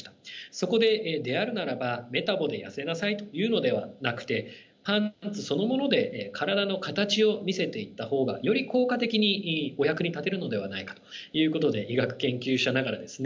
そこでであるならばメタボで痩せなさいというのではなくてパンツそのもので体の形を見せていった方がより効果的にお役に立てるのではないかということで医学研究者ながらですね